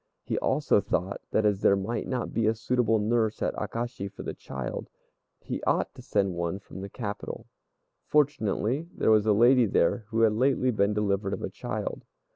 He also thought that as there might not be a suitable nurse at Akashi for the child, he ought to send one from the capital. Fortunately there was a lady there who had lately been delivered of a child.